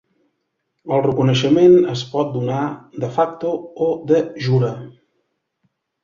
El reconeixement es pot donar "de facto" o "de jure".